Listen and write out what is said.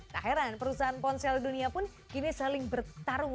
tak heran perusahaan ponsel dunia pun kini saling bertarung